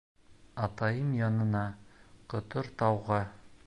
— Атайым янына, Көтөртауға.